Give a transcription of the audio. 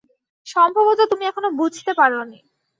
সম্ভবত তুমি এখনো বুঝতে পারোনি।